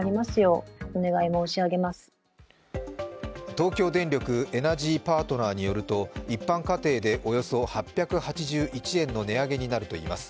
東京電力エナジーパートナーによると、一般家庭でおよそ８８１円の値上げになるといいます。